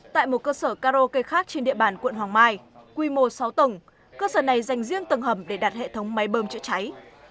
tại một cơ sở karaoke khác trên địa bàn quận hoàng mai quy mô sáu tầng cơ sở này dành riêng tầng hầm để đặt hệ thống máy bơm chữa cháy